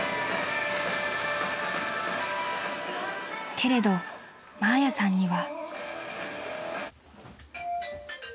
［けれどマーヤさんには］